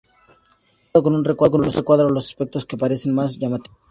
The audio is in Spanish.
He marcado con un recuadro los aspectos que parecen más llamativos